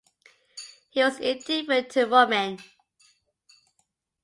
He was indifferent to women.